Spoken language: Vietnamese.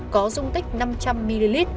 có dung tích năm trăm linh ml